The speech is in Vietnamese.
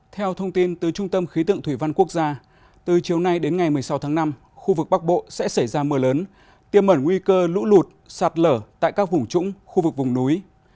theo thông tin từ trung tâm khí tượng thủy văn quốc gia từ chiều nay đến ngày một mươi sáu tháng năm khu vực bắc bộ sẽ xảy ra mưa lớn tiêm mẩn nguy cơ lũ lụt sạt lở tại các vùng trũng khu vực vùng núi